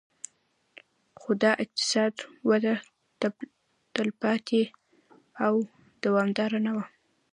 خو دا اقتصادي وده تلپاتې او دوامداره نه وه